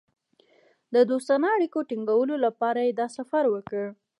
د دوستانه اړیکو ټینګولو لپاره یې دا سفر وکړ.